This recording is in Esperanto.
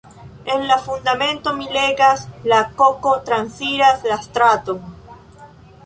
En la Fundamento mi legas "la koko transiras la straton".